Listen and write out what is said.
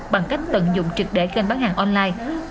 bằng cách tận dụng trực để kênh bán hàng online